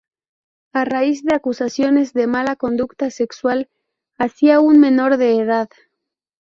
A raíz de acusaciones de mala conducta sexual hacia un menor de edad;.